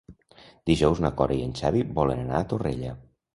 Dijous na Cora i en Xavi volen anar a Torrella.